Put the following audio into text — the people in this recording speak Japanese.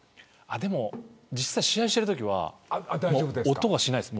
でも、実際に試合をしてるときは音がしないです。